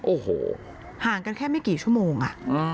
โอ้โหห่างกันแค่ไม่กี่ชั่วโมง